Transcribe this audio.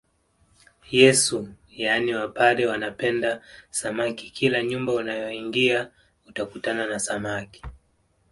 Yesu yaani wapare wanapenda samaki kila nyumba unayoingia utakutana na samaki